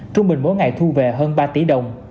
trung bình mỗi ngày thu về hơn ba tỷ đồng